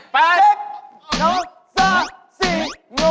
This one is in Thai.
ภาษาไทย